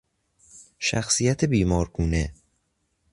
شخصیت بیمارگونه